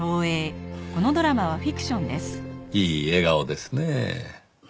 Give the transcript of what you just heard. いい笑顔ですねぇ。